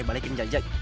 ya balikin aja